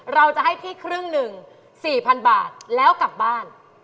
เราจะให้พี่ครึ่งหนึ่ง๔๐๐๐บาทแล้วกลับบ้าน